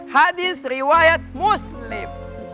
hadis riwayat muslim